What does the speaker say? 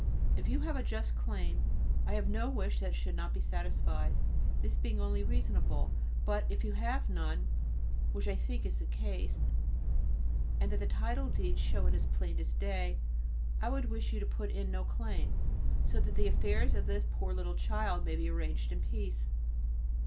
If you have a just claim I have no wish that it should not be satisfied, this being only reasonable; but if you have none, which I think is the case, and that the title deeds show it as plain as day, I would wish you to put in no claim, so that the affairs of this poor little child may be arranged in peace.